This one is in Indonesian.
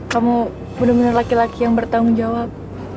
kamu bener bener laki laki yang bertanggung jawab